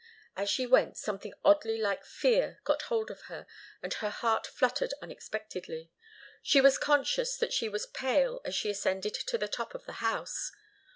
As she went something oddly like fear got hold of her, and her heart fluttered unexpectedly. She was conscious that she was pale as she ascended to the top of the house.